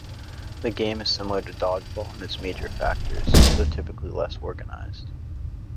The game is similar to dodgeball in its major factors, though typically less organized.